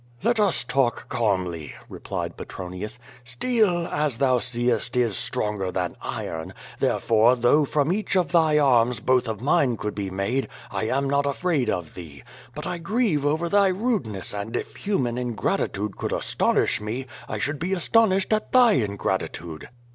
"Let us talk calmly," replied Petronius. "Steel, as thou seest, is stronger than iron; therefore, though from each of thy arms both of mine could be made, I am not afraid of thee. But I grieve over thy rudeness and if human ingratitude could astonish me, I should be astonished at thy ingratitude."